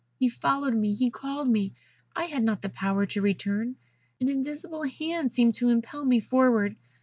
He followed me; he called me. I had not the power to return. An invisible hand seemed to impel me forward.